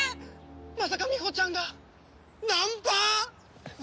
まさかみほちゃんがナンパ！？